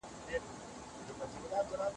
راشېوه مې په دامان د کندهار کړل